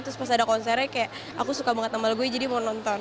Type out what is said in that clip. terus pas ada konsernya kayak aku suka banget tambah gue jadi mau nonton